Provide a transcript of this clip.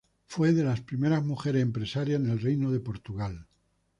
Fue de las primeras mujeres empresarias en el Reino de Portugal.